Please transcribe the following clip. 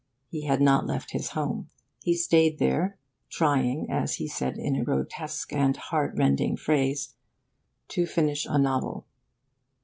He had not left his home. He stayed there, 'trying,' as he said in a grotesque and heart rending phrase, 'to finish a novel.